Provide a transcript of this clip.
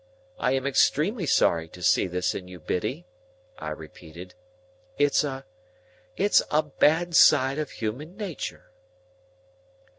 I am extremely sorry to see this in you, Biddy," I repeated. "It's a—it's a bad side of human nature."